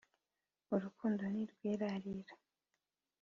urukundo ntirwirarira